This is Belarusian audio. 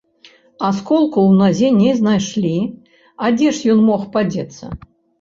Асколку ў назе не знайшлі, а дзе ж ён мог падзецца?